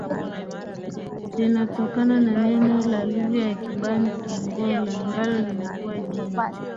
linatokana na neno la lugha ya Kibantu Ngola ambalo lilikuwa jina